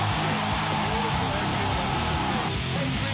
สวัสดีครับ